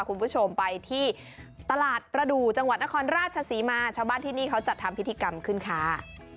คุณผู้ชมไปที่ตลาดประดูกจังหวัดนครราชศรีมาชาวบ้านที่นี่เขาจัดทำพิธีกรรมขึ้นค่ะ